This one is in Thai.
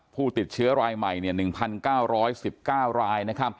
ผู้ติดเชื้อรายใหม่๑๙๑๙ราย